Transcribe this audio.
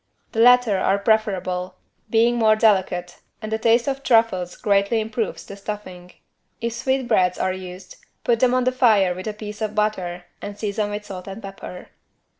The latter are preferable, being more delicate and a taste of truffles greatly improves the stuffing. If sweetbreads are used, put them on the fire with a piece of butter and season with salt and pepper.